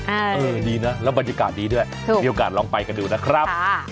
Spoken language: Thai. เออดีนะแล้วบรรยากาศดีด้วยมีโอกาสลองไปกันดูนะครับ